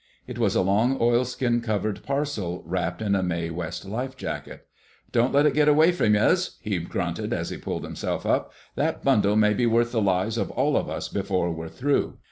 It was a long, oilskin covered parcel wrapped in a Mae West lifejacket. "Don't let it get away from yez," he grunted, as he pulled himself up. "That bundle may be worth the lives of all of us before we're through."